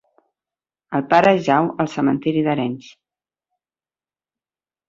El pare jau al cementiri d'Arenys.